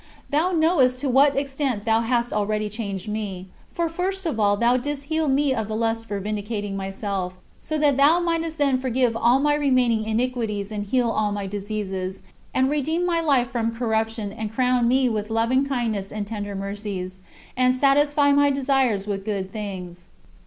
Thou knowest to what extent thou hast already changed me, for first of all thou didst heal me of the lust for vindicating myself, so that thou mightest then forgive all my remaining iniquities and heal all my diseases, and "redeem my life from corruption and crown me with loving kindness and tender mercies, and satisfy my desires with good things."